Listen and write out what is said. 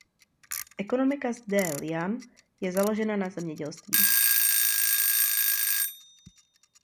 Ekonomika Sde Ilan je založena na zemědělství.